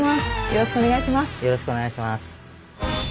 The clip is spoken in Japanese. よろしくお願いします。